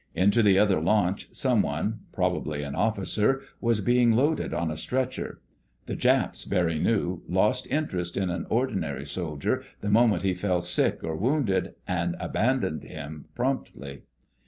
Into the other launch someone, probably an officer, was being loaded on a stretcher. The Japs, Barry knew, lost interest in an ordinary soldier the moment he fell sick or wounded, and abandoned him promptly.